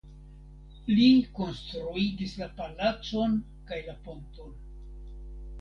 Li konstruigis la palacon kaj la ponton.